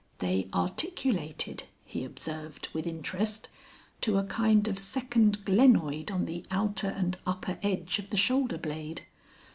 (They articulated, he observed with interest, to a kind of second glenoid on the outer and upper edge of the shoulder blade.